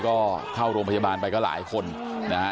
ก็เข้าโรงพยาบาลไปก็หลายคนนะฮะ